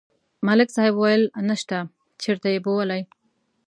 ملک صاحب ویل: نشته، چېرته یې بولي؟